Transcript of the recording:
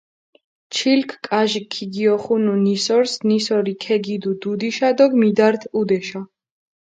ჩილქ კაჟი ქიგიოხუნუ ნისორს, ნისორი ქეგიდუ დუდიშა დო მიდართჷ ჸუდეშა.